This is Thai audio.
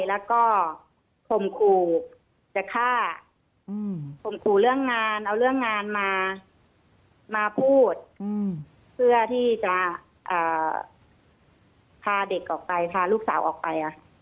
แล้วก็คมขู่จะฆ่าข่มขู่เรื่องงานเอาเรื่องงานมาพูดเพื่อที่จะพาเด็กออกไปพาลูกสาวออกไป